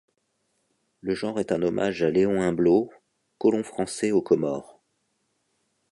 Le genre est un hommage à Léon Humblot, colon français aux Comores.